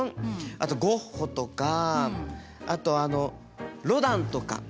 あとゴッホとかあとあのロダンとか。